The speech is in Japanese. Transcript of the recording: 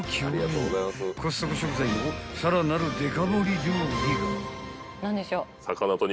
［コストコ食材のさらなるデカ盛り料理が］